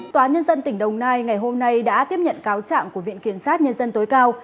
tòa nhân dân tỉnh đồng nai ngày hôm nay đã tiếp nhận cáo trạng của viện kiểm sát nhân dân tối cao